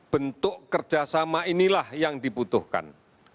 bentuk kerjasama inilah yang dibutuhkan